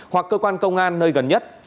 hoặc cơ quan công an nơi gần nhất